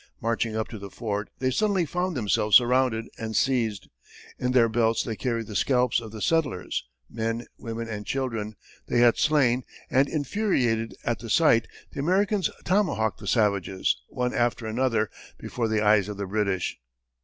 Marching up to the fort, they suddenly found themselves surrounded and seized. In their belts they carried the scalps of the settlers men, women and children they had slain, and, infuriated at the sight, the Americans tomahawked the savages, one after another, before the eyes of the British.